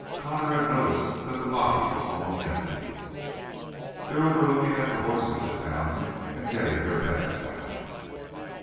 Connor had noticed that the lobby was almost empty. "They're over lookin' at the hosses," said Townsend, "and gettin' their bets down."